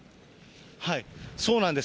そうなんです。